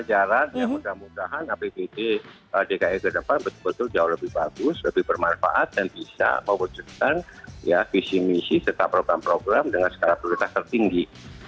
kita berharap ya mudah mudahan apbd dki ke depan betul betul jauh lebih bagus lebih bermanfaat dan bisa mewujudkan ya visi misi serta program program dengan skarabilitas tertinggi